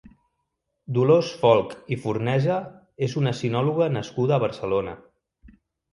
Dolors Folch i Fornesa és una sinòloga nascuda a Barcelona.